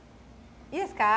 いいですか。